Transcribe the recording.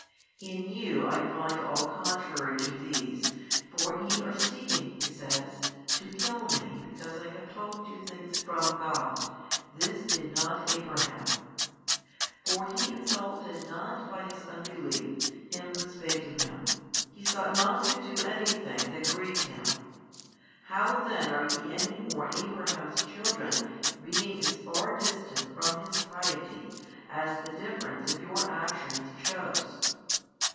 In you I find all contrary to these, for ye are seeking, He says, to kill Me because I have told you things from God, this did not Abraham. For he insulted not by his unbelief Him who spake to him, he sought not to do any thing that grieved Him. How then are ye any more Abraham's children being as far distant from his piety as the difference of your actions shews?